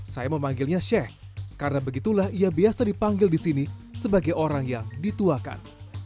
saya memanggilnya sheikh karena begitulah ia biasa dipanggil di sini sebagai orang yang dituakan